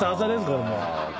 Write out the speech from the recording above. これもう。